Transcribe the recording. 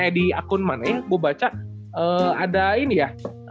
di akun mana yang gue baca ada ini ya